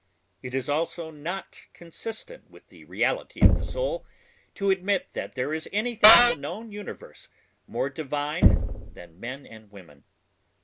It is also not consistent with the reality of the soul to admit that there is anything in the known universe more divine than men and women.